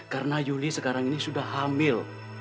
karena yuli sekarang ini sudah hamil